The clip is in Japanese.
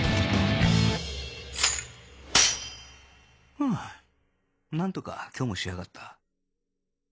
ふうなんとか今日も仕上がった